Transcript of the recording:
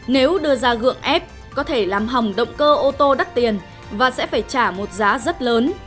nếu đưa ra gượng ép có thể làm hỏng động cơ ô tô đắt tiền và sẽ phải trả một giá rất lớn